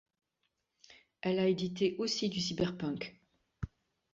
Elle a édité aussi du cyberpunk.